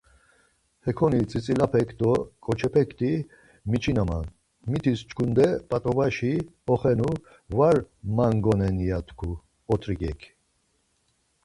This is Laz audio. Hekoni tzitzilapek do ǩoçepekti miçinoman, mitis çkunde p̌at̆obaşi oxenu va mangonen ya tku ot̆riǩek.